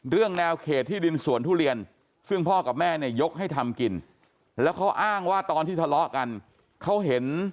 เรื่องแนวเขตที่ดินสวนทุเรียนซึ่งพ่อกับแม่เนี่ยยกให้ทำกินแล้วเขาอ้างว่าตอนที่ทะเลาะกันเขาเห็น